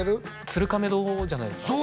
鶴亀堂じゃないですか？